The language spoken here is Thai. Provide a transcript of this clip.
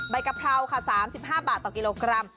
กะเพราค่ะ๓๕บาทต่อกิโลกรัม